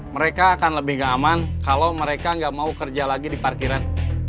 mereka akan lebih nggak aman kalau mereka nggak mau kerja lagi di parkiran